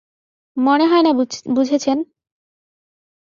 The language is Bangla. মনে হয়না বুঝেছেন।